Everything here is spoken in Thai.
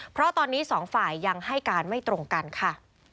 เพราะตอนนี้สองฝ่ายยังให้การไม่ตรงกันค่ะ